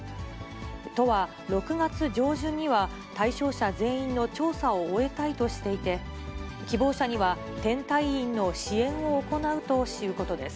都は、６月上旬には、対象者全員の調査を終えたいとしていて、希望者には転退院の支援を行うということです。